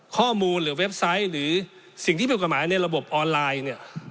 ข้อมูลหรือเว็บไซต์หรือสิ่งที่ผิดกฎหมายในระบบออนไลน์เนี่ย